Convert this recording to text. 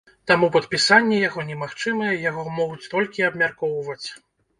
Таму падпісанне яго немагчымае, яго могуць толькі абмяркоўваць.